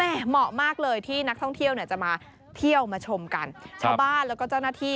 เหมาะมากเลยที่นักท่องเที่ยวเนี่ยจะมาเที่ยวมาชมกันชาวบ้านแล้วก็เจ้าหน้าที่